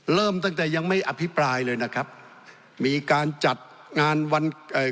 เริ่มตั้งแต่ยังไม่อภิปรายเลยนะครับมีการจัดงานวันเอ่อ